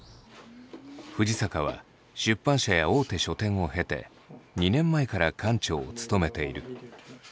藤坂は出版社や大手書店を経て２年前から館長を務めている。